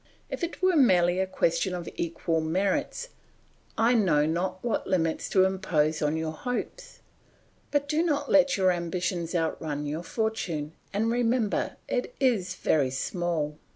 If it were merely a question of equal merits, I know not what limits to impose on your hopes; but do not let your ambitions outrun your fortune, and remember it is very small.